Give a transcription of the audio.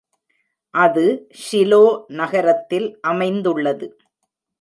அது ஷிலோ நகரத்தில் அமைந்துள்ளது.